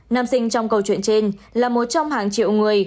nam sinh trong câu chuyện trên là một trong hàng triệu người